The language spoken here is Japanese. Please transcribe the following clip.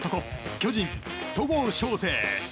巨人、戸郷翔征。